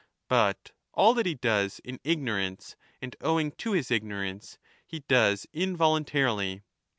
But all that he 10 does in ignorance and owing to his ignorance, he does in voluntarily.